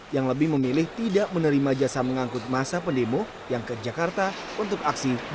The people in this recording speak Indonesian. yang lebih memilih tidak menerima jasa mengangkut masa pendemo yang ke jakarta untuk aksi dua ratus dua belas